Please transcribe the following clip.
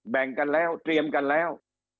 แบ่งกันแล้วเตรียมกันแล้ว